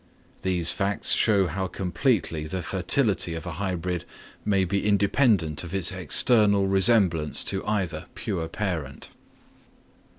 These facts show how completely the fertility of a hybrid may be independent of its external resemblance to either pure parent.